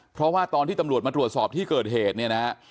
เพราะว่าตอนที่ตำรวจมาตรวจสอบที่เกิดเหตุเนี่ยนะฮะ